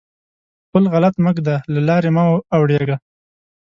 پل غلط مه ږده؛ له لارې مه اوړېږه.